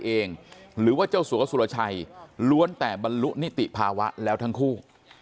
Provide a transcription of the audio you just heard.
หรือว่าเจ้าสัวสุรชัยล้วนแต่บรรลุนิติภาวะแล้วทั้งคู่